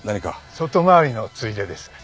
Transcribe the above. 外回りのついでです。